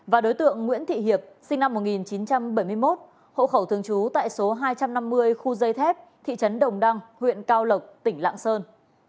và đối tượng nguyễn thị hiệp sinh năm một nghìn chín trăm bảy mươi một hộ khẩu thường trú tại số hai trăm năm mươi khu dây thép thị trấn đồng đăng huyện cao lộc tỉnh lạng sơn